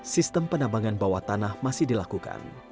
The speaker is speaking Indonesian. sistem penambangan bawah tanah masih dilakukan